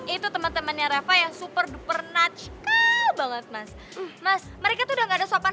itu teman temannya rafa ya super duper natch banget mas mas mereka udah nggak ada sopan